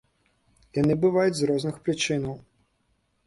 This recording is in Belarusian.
Яны бываюць з розных прычынаў.